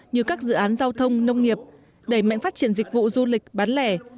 như các dự án giao thông nông nghiệp đẩy mạnh phát triển dịch vụ du lịch bán lẻ